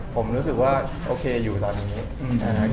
ผมรู้สึกว่าโอเคอยู่ตอนนี้